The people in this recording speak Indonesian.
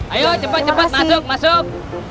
ayo cepet cepet masuk masuk